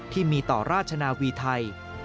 ที่มีต่อราชนาวีไทย